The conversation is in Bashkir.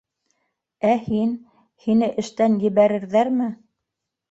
Ә һин, һине эштән ебәрерҙәрме?